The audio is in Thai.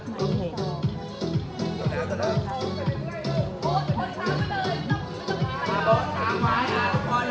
ต้องช้างไว้ทุกคนครับ